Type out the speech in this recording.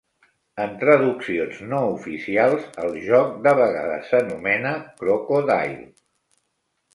En traduccions no oficials, el joc de vegades s'anomena "Crocodile".